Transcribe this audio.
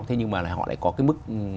thế nhưng mà họ lại có mức